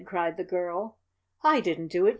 cried the girl. "I didn't do it!